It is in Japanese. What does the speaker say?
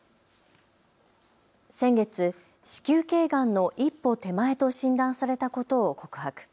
先月、子宮頸がんの一歩手前と診断されたことを告白。